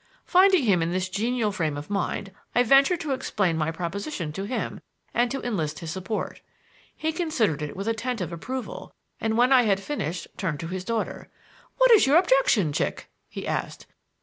Finding him in this genial frame of mind, I ventured to explain my proposition to him and to enlist his support. He considered it with attentive approval, and when I had finished turned to his daughter. "What is your objection, chick?" he asked.